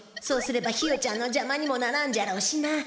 そうすればひよちゃんのじゃまにもならんじゃろうしな。